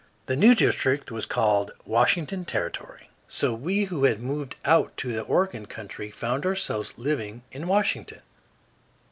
The new district was called Washington Territory, so we who had moved out to the Oregon Country found ourselves living in Washington.